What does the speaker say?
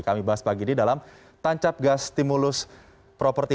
kami bahas pagi ini dalam tancap gas stimulus properti